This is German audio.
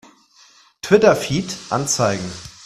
Twitter-Feed anzeigen!